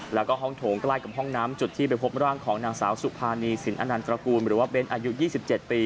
และห้องโถงใกล้กับห้องน้ำไปพบกันกว่านางสาวสุภานีสินอานันต์กรกูอายุ๒๗ปี